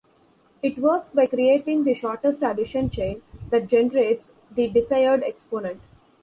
It works by creating the shortest addition chain that generates the desired exponent.